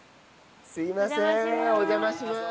すいませんお邪魔します。